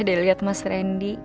dari liat mas randy